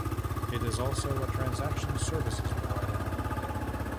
It is also a transaction services provider.